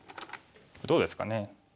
どうですかね。